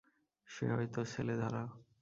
সে হয়তো ছেলেধরা।